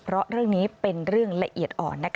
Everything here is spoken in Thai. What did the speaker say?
เพราะเรื่องนี้เป็นเรื่องละเอียดอ่อน